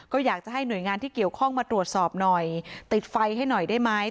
ก็อยากจะให้หน่วยงานที่เกี่ยวข้องมาตรวจสอบหน่อยติดไฟให้หน่อยได้ไหม